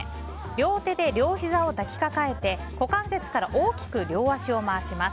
両手で両ひざを抱きかかえて股関節から大きく両足を回します。